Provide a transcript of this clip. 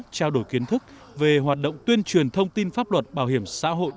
trao đổi kiến thức về hoạt động tuyên truyền thông tin pháp luật bảo hiểm xã hội